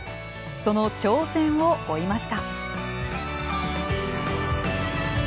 その挑戦を追いました。